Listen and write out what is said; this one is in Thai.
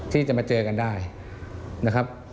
ที่จะมาเจอกันได้นะครับ